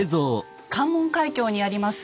関門海峡にあります